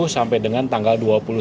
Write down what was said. dua puluh tujuh sampai dengan tanggal